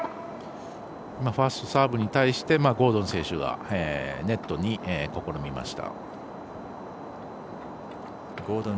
ファーストサーブに対してゴードン選手がネットを試みました。